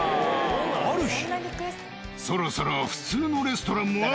ある日。